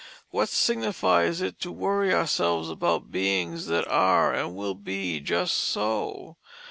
What signifies it to worry ourselves about beings that are and will be just so?